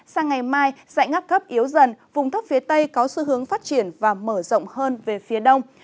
sang ngày mai dãy ngắp thấp yếu dần vùng thấp phía tây có xu hướng phát triển và mở rộng hơn về phía đông